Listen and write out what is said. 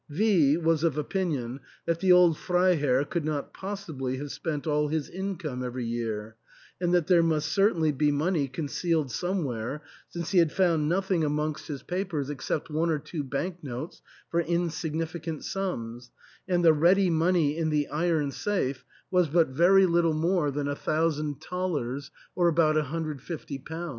V was of opinion that the old Freiherr could not possibly have spent all his income every year, and that there must certainly be money concealed somewhere, since he had found nothing amongst his papers except one or two bank notes for insignificant sums, and the ready money in the iron safe was but very little more 28o THE ENTAIL. than a thousand thalers, or about £,^^o.